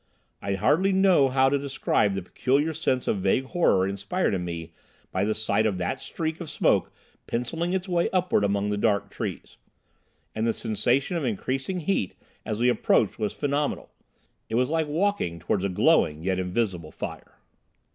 I hardly know how to describe the peculiar sense of vague horror inspired in me by the sight of that streak of smoke pencilling its way upwards among the dark trees. And the sensation of increasing heat as we approached was phenomenal. It was like walking towards a glowing yet invisible fire.